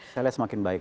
saya lihat semakin baik